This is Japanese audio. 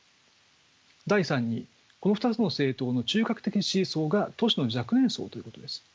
第三にこの２つの政党の中核的支持層が都市の若年層ということです。